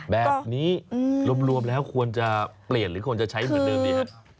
แบบนี้รวมแล้วควรจะเปลี่ยนหรือควรจะใช้เหมือนเดิมดีฮะ